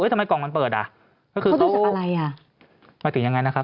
เอ๊ะทำไมกล่องมันเปิดอ่ะเขาดูจากอะไรอ่ะหมายถึงยังไงนะครับ